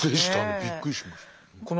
びっくりしました。